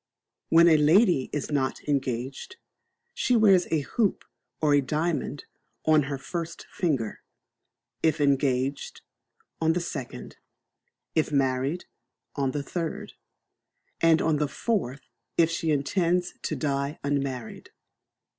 When a lady is not engaged, she wears a hoop or diamond on her first finger; if engaged, on the second; if married, on the third; and on the fourth if she intends to die unmarried.